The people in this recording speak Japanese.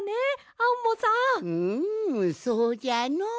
うんそうじゃのう。